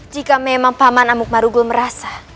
jika memang paman amuk marugo merasa